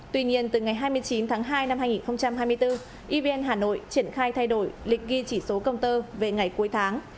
tuy nhiên từ ngày hai mươi chín tháng hai năm hai nghìn hai mươi bốn evn hà nội triển khai thay đổi lịch ghi chỉ số công tơ về ngày cuối tháng